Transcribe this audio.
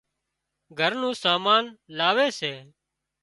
گھر نُون سامان لاوي سي